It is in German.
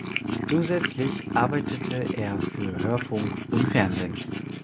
Zusätzlich arbeitete er für Hörfunk und Fernsehen.